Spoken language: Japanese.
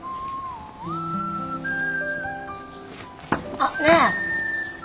あっねえ。